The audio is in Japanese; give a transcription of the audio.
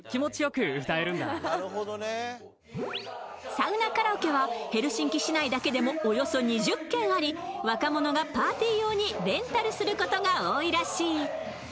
サウナカラオケはヘルシンキ市内だけでもおよそ２０軒あり若者がパーティー用にレンタルすることが多いらしい。